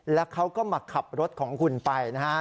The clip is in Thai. แล้วเขาก็มาขับรถของคุณไปนะฮะ